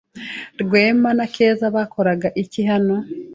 Rwema na Keza bakoraga iki hano?